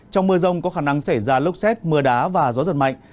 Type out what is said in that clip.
trong mưa rông có khả năng xảy ra lốc xét mưa đá và gió giật mạnh